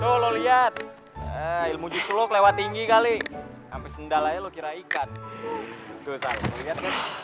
tolong lihat ilmu jisulok lewat tinggi kali sampai sendalaya lo kira ikan jualan lihat